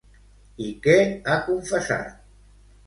I què ha confessat?